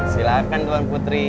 silahkan duluan putri